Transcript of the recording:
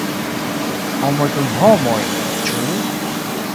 “Homoj kun homoj”, ĉu?